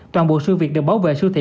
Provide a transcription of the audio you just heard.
toàn bộ sư việt được bảo vệ siêu thị